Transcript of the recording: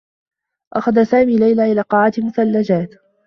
أخذ سامي ليلى إلى قاعة مثلّجات.